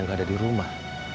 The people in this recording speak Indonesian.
gak ada di rumah